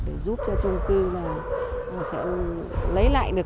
để giúp cho chung cư là sẽ lấy lại được